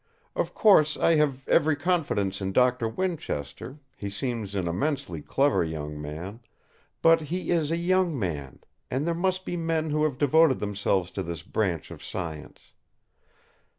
Of course I have every confidence in Doctor Winchester; he seems an immensely clever young man. But he is a young man; and there must be men who have devoted themselves to this branch of science.